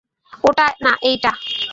ওটা না, এইটা।